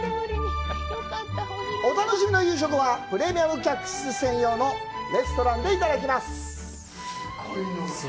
お楽しみの夕食はプレミアム客室専用のレストランでいただきます。